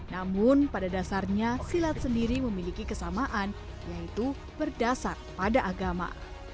namun pada dasarnya silat sendiri memiliki kesamaan yaitu berdasar pada agama